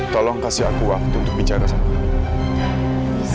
tolong kasih aku waktu untuk bicara sama anak